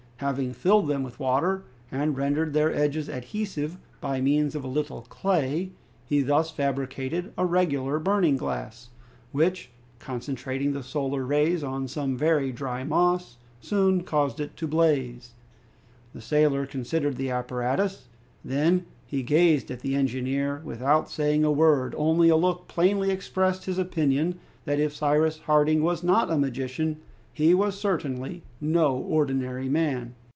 Having filled them with water and rendered their edges adhesive by means of a little clay, he thus fabricated a regular burning glass, which, concentrating the solar rays on some very dry moss, soon caused it to blaze. The sailor considered the apparatus; then he gazed at the engineer without saying a word, only a look plainly expressed his opinion that if Cyrus Harding was not a magician, he was certainly no ordinary man.